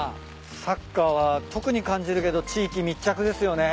サッカーは特に感じるけど地域密着ですよね。